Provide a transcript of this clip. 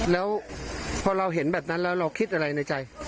แล้วพอเราเห็นแบบนั้นแล้วเราคิดอะไรในใจ